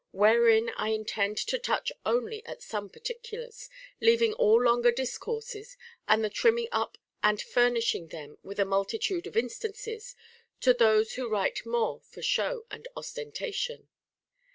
Wherein I intend to touch only at some particulars, leav ing all longer discourses, and the trimming up and furnish ing them with a multitude of instances, to those who write more for show and ostentation.